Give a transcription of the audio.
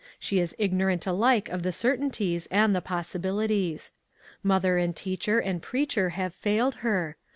She is ignorant^ alike of the certainties and the possibilities. Mother and teacher and preacher have failed her.